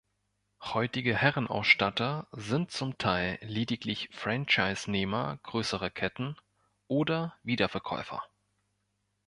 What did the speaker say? Heutige Herrenausstatter sind zum Teil lediglich Franchisenehmer größerer Ketten oder Wiederverkäufer.